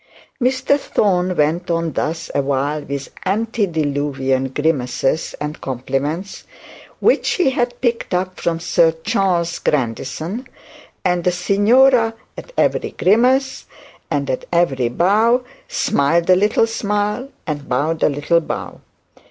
Mr Thorne went on thus awhile, with antediluvian grimaces and compliments which he had picked up from Sir Charles Grandison, and the signora at every grimace and at every bow smiled a little smile and bowed a little bow.